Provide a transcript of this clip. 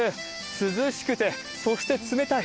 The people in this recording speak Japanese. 涼しくて、そして冷たい。